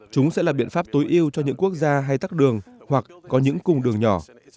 chúng sẽ là biện pháp tối ưu cho những quốc gia hay tắt đường hoặc có những cung đường nhỏ